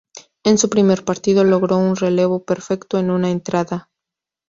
En su primer partido logró un relevo perfecto de una entrada.